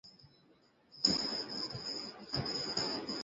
Sir, ইন্সপেক্টরকে ডাকুন।